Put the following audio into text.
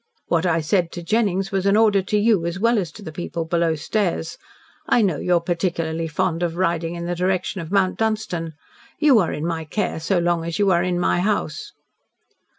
"What I said to Jennings was an order to you as well as to the people below stairs. I know you are particularly fond of riding in the direction of Mount Dunstan. You are in my care so long as you are in my house."